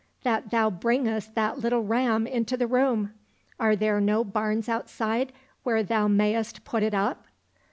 that thou bringest that little ram into the room ? Are there no barns outside where thou mayst put it up